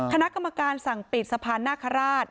คณะกรรมการสั่งปิดสะพานนาคาราช